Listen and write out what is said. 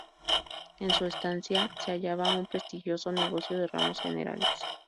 En su estancia se hallaba un prestigioso negocio de ramos generales.